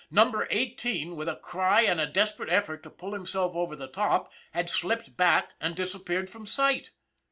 Number Eighteen, with a cry and a desperate effort to pull himself over the top, had slipped back and disappeared from sight